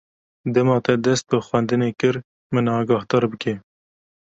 Dema te dest bi xwendinê kir, min agahdar bike.